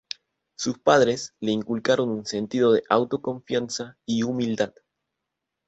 Sus padres le inculcaron un sentido de autoconfianza y humildad.